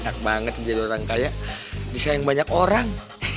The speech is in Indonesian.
enak banget jadi orang kaya disayang banyak orang